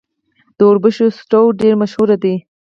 د وربشو سټو ډیر مشهور دی.